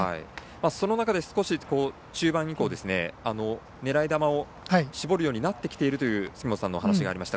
その中で少し中盤以降、狙い球を絞るようになってきているという杉本さんの話がありました。